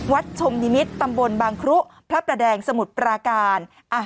ชมนิมิตรตำบลบางครุพระประแดงสมุทรปราการ